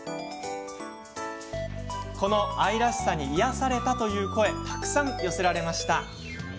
この愛らしさに癒やされたという声がたくさん寄せられました。